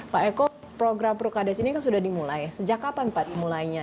pak eko program prukades ini kan sudah dimulai sejak kapan pak mulainya